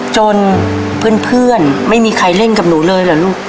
จนเพื่อนไม่มีใครเล่นกับหนูเลยเหรอลูก